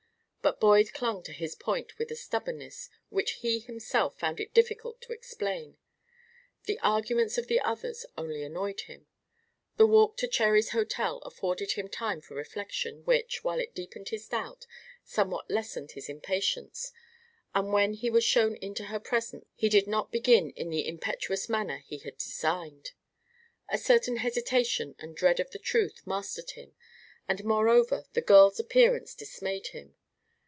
But Boyd clung to his point with a stubbornness which he himself found it difficult to explain. The arguments of the others only annoyed him. The walk to Cherry's hotel afforded him time for reflection which, while it deepened his doubt, somewhat lessened his impatience, and when he was shown into her presence he did not begin in the impetuous manner he had designed. A certain hesitation and dread of the truth mastered him, and, moreover, the girl's appearance dismayed him.